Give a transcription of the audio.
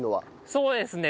そうですね。